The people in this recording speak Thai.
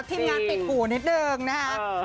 ทีมงานติดหูนิดเดิมนะฮะ